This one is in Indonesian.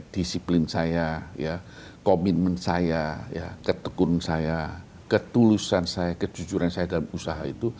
disiplin saya komitmen saya ketekun saya ketulusan saya kejujuran saya dalam usaha itu